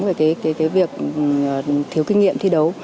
về cái việc thiếu kinh nghiệm thi đấu